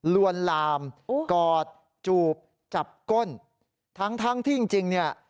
ลวนลามกอดจูบจับก้นทั้งทั้งที่จริงเนี่ย